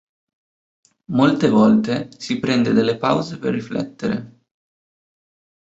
Molte volte si prende delle pause per riflettere.